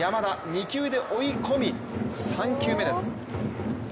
２球で追い込み３球目です。